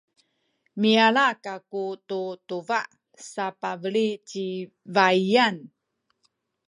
miyala kaku tu tubah sapabeli ci baiyan.